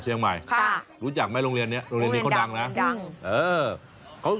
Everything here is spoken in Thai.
เดี๋ยวกินน้ำลายก่อน